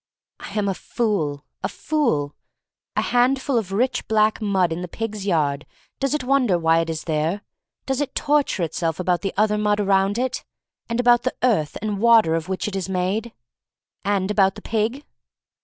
I am a fool — a fool. A handful of rich black mud in a pig's yard — does it wonder why it is there? Does it torture itself about the other mud around it, and about the earth and water of which it is made, and about the pig?